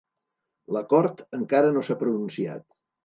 La cort encara no s'ha pronunciat.